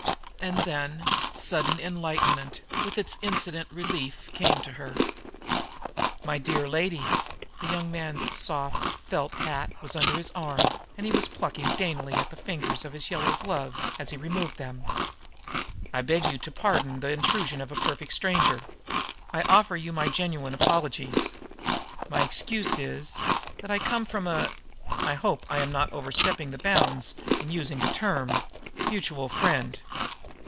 And then sudden enlightenment, with its incident relief, came to her. "My dear lady" the young man's soft felt hat was under his arm, and he was plucking daintily at the fingers of his yellow gloves as he removed them "I beg you to pardon the intrusion of a perfect stranger. I offer you my very genuine apologies. My excuse is that I come from a I hope I am not overstepping the bounds in using the term mutual friend."